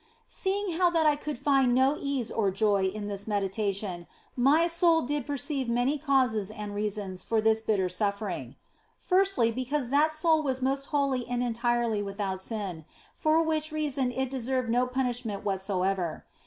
Seeing how that I could find no ease or joy in this meditation, my soul did perceive many causes and 204 THE BLESSED ANGELA reasons for that bitter suffering. Firstly, because that soul was most holy and entirely without sin, for which reason it deserved no punishment whatsoever.